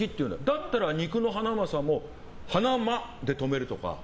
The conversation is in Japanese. だったら肉のハナマサもハナマで止めるとか。